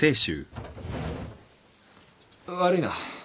悪いな。